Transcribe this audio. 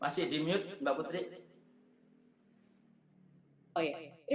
masih di mute mbak putri